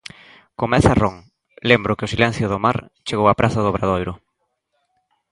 Comeza Ron: Lembro que o silencio do mar chegou á praza do Obradoiro.